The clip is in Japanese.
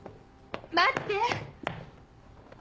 待って！